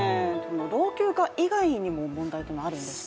老朽化以外にも問題というのがあるんですか。